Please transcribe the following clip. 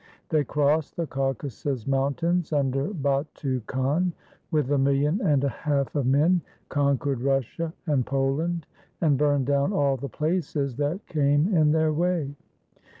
They crossed the Caucasus Mountains, under Batu Khan, with a million and a half of men, conquered Rus sia and Poland, and burned down all the places that came in their way.